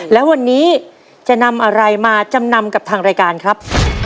และวันนี้จะนำอะไรมาจำนำกับทางรายการครับ